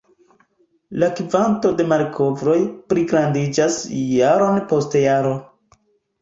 La kvanto de malkovroj pligrandiĝas jaron post jaro.